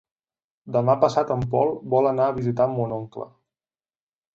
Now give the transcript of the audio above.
Demà passat en Pol vol anar a visitar mon oncle.